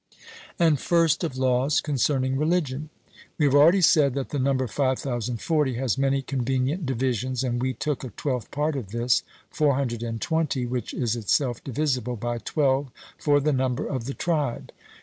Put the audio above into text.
And first of laws concerning religion. We have already said that the number 5040 has many convenient divisions: and we took a twelfth part of this (420), which is itself divisible by twelve, for the number of the tribe.